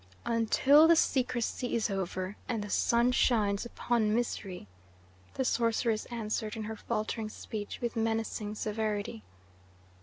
"Until the secrecy is over, and the sun shines upon misery," the sorceress answered in her faltering speech, with menacing severity.